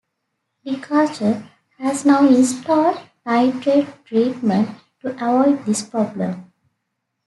Decatur has now installed nitrate treatment to avoid this problem.